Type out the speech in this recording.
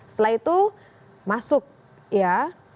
setelah itu masuk ya